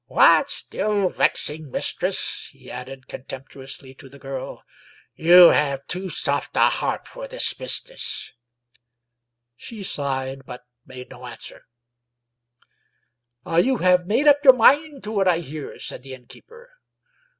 What, still vexing, mis tress?" he added contemptuously to the girl. "You have too soft a heart for this business !" She sighed, but made no answer. 150 Stanley J. Weyman " You have made up your mind to it, I hear? " said the innkeeper.